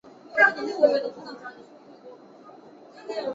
本循环于西班牙格拉诺列尔斯举行。